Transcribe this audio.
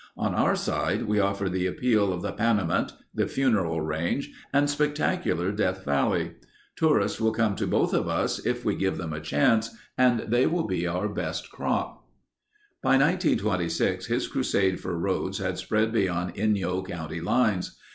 On our side we offer the appeal of the Panamint, the Funeral Range, and spectacular Death Valley. Tourists will come to both of us if we give them a chance and they will be our best crop." By 1926 his crusade for roads had spread beyond Inyo county lines.